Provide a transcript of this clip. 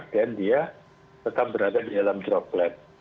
dan dia tetap berada di dalam droplet